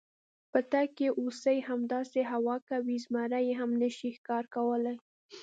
په تګ کې هوسۍ، همداسې هوا کوي، زمري یې هم نشي ښکار کولی.